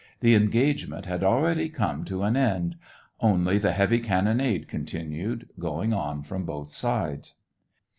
The engagement had already come to an end ; only the heavy cannonade continued, going on from both sides.